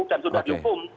dan sudah dihukum